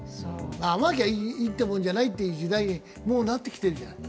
甘けりゃいいってもんじゃないって時代になってきているじゃない。